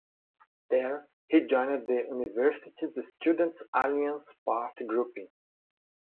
There he joined the university's student Alliance Party grouping.